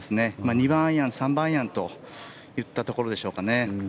２番アイアン、３番アイアンといったところでしょうかね。